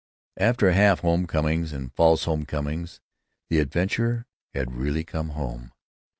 After half home comings and false home comings the adventurer had really come home.